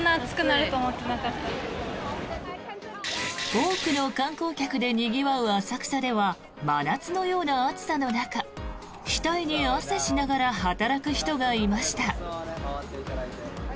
多くの観光客でにぎわう浅草では、真夏のような暑さの中額に汗しながら働く人がいました。